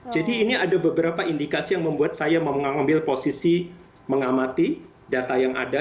jadi ini ada beberapa indikasi yang membuat saya mengambil posisi mengamati data yang ada